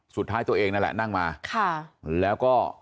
สุดท้ายตัวเองนั่นแหละนั่งมาค่ะแล้วก็